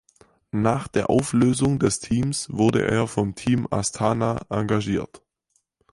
Nach der Auflösung des Teams wurde er vom Team Astana engagiert.